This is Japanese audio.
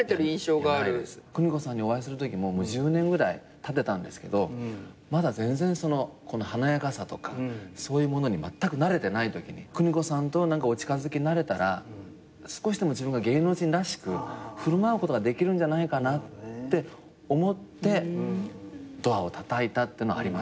邦子さんにお会いするときも１０年ぐらいたってたんですけどまだ全然この華やかさとかそういうものにまったく慣れてないときに邦子さんとお近づきになれたら少しでも自分が芸能人らしく振る舞うことができるんじゃないかなって思ってドアをたたいたってのはありますよね。